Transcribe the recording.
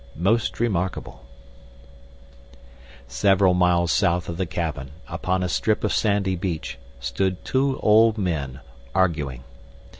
"Most Remarkable" Several miles south of the cabin, upon a strip of sandy beach, stood two old men, arguing.